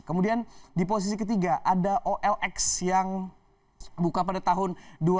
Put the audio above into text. kemudian di posisi ketiga ada olx yang buka pada tahun dua ribu dua